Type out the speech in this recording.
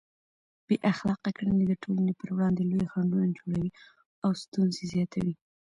بې اخلاقه کړنې د ټولنې پر وړاندې لوی خنډونه جوړوي او ستونزې زیاتوي.